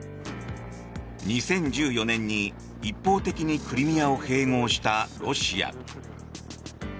２０１４年に、一方的にクリミアを併合したロシア。